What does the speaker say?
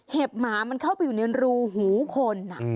หมามันเข้าไปอยู่ในรูหูคน